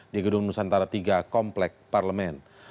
di gedung nusantara tiga komplek parlemen